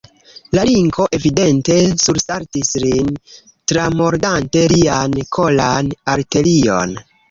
La linko evidente sursaltis lin, tramordante lian kolan arterion.